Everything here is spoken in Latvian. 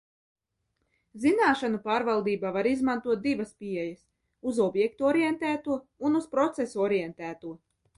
Zināšanu pārvaldībā var izmantot divas pieejas uz objektu orientēto un uz procesu orientēto.